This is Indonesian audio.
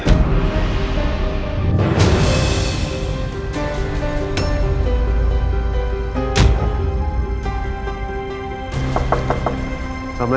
anting itu milik mama sarah